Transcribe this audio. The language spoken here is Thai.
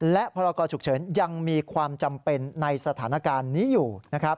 และพรกรฉุกเฉินยังมีความจำเป็นในสถานการณ์นี้อยู่นะครับ